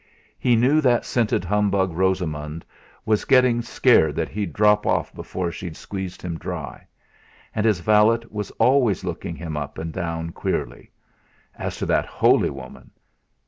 He knew that scented humbug Rosamund was getting scared that he'd drop off before she'd squeezed him dry. And his valet was always looking him up and down queerly. As to that holy woman